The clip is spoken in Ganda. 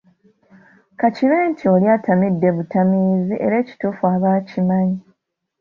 Ka kibe nti oli atamidde butamiizi era ekituufu aba akimanyi.